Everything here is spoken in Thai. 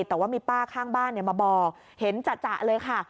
แต่ว่ามีป้าข้างบ้านมาบอกเห็นจ่ะเลยค่ะ